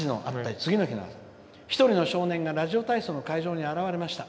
一人の少年がラジオ体操の会場に現れました。